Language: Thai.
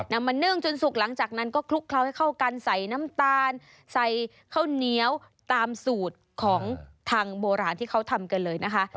นำมานึ่งจนสุกหลังจากนั้นก็คลุกเคล้าให้เข้ากันใส่น้ำตาลใส่ข้าวเหนียวตามสูตรของทางโบราณที่เขาทำกันเลยนะคะ